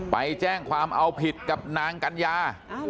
ไปแจ้งความเอาผิดกับนางกัญญา